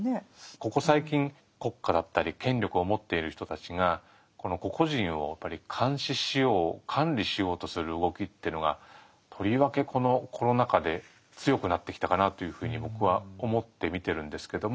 ここ最近国家だったり権力を持っている人たちが個々人をやっぱり監視しよう管理しようとする動きっていうのがとりわけこのコロナ禍で強くなってきたかなというふうに僕は思って見てるんですけども。